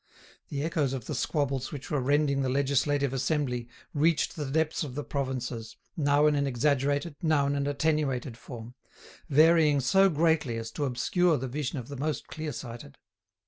The echoes of the squabbles which were rending the Legislative Assembly reached the depths of the provinces, now in an exaggerated, now in an attenuated form, varying so greatly as to obscure the vision of the most clear sighted.